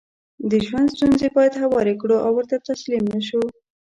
دژوند ستونزې بايد هوارې کړو او ورته تسليم نشو